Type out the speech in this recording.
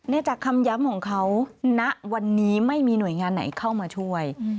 จากคำย้ำของเขาณวันนี้ไม่มีหน่วยงานไหนเข้ามาช่วย